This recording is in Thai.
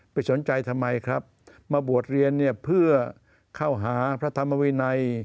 ไปสนใจทำไมครับมาบวชเรียนเนี่ยเพื่อเข้าหาพระธรรมวินัย